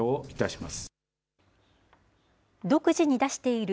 失礼いたします。